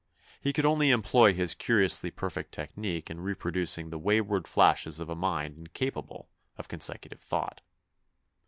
He could only employ his curi ously perfect technique in reproducing the wayward flashes of a mind incapable of con secutive thought.